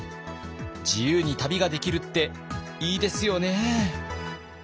自由に旅ができるっていいですよね！